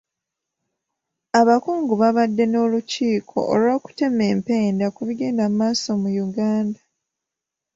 Abakungu baabadde n'olukiiko olw'okutema empenda ku bigenda maaso mu Uganda.